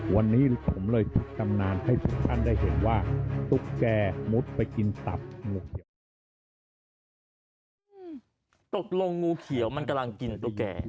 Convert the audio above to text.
หรือตุ๊กแก่มันกำลังกินตุ๊กแก่